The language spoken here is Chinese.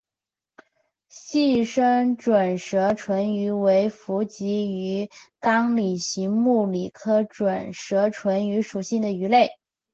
细身准舌唇鱼为辐鳍鱼纲鲤形目鲤科准舌唇鱼属的鱼类。